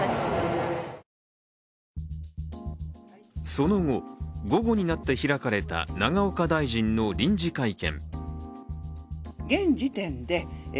その後、午後になって開かれた永岡大臣の臨時会見。